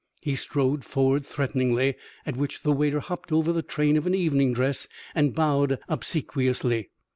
He strode forward threateningly, at which the waiter hopped over the train of an evening dress and bowed obsequiously.